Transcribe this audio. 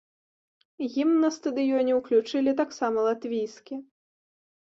Гімн на стадыёне ўключылі таксама латвійскі.